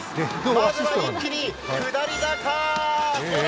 まずは一気に下り坂！